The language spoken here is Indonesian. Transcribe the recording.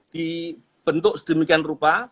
dibentuk sedemikian rupa